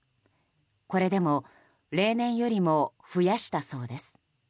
これでも例年よりも増やしたそうです。